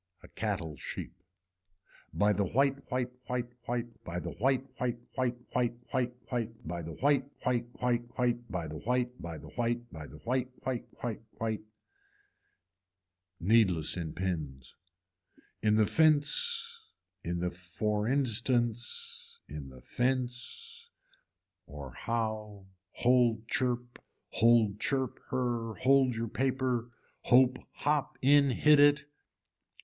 A cattle sheep. By the white white white white, by the white white white white white white, by the white white white white by the white by the white white white white. Needless in pins. In the fence in the for instance, in the fence or how, hold chirp, hold chirp her, hold your paper, hope hop in hit it.